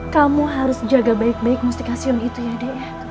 kamu harus jaga baik baik mustikasyon itu ya deh